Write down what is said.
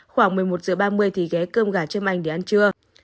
khoảng một mươi một h ba mươi thì ghé cơm gà châm anh để ăn trưa